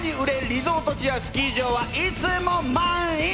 リゾート地やスキー場はいつも満員！